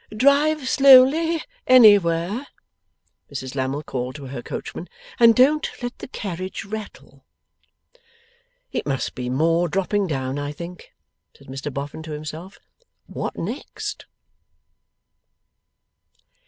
'Drive slowly anywhere,' Mrs Lammle called to her coachman, 'and don't let the carriage rattle.' 'It MUST be more dropping down, I think,' said Mr Boffin to himself. 'What next?